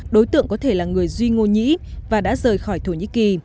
đối tượng có thể là người duy ngôn nhĩ và đã rời khỏi thổ nhĩ kỳ